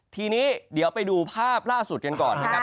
ทีนี้เดี๋ยวไปดูภาพล่าสุดกันก่อนนะครับ